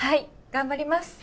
頑張ります！